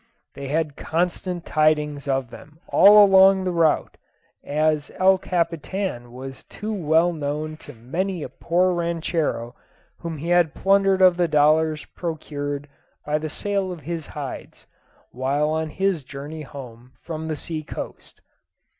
They had constant tidings of them all along the route, as El Capitan was too well known to many a poor ranchero whom he had plundered of the dollars produced by the sale of his hides, while on his journey home from the sea coast.